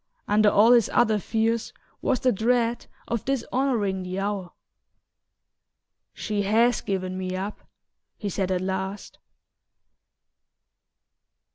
Under all his other fears was the dread of dishonouring the hour. "She HAS given me up," he said at last.